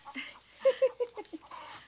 フフフフフ。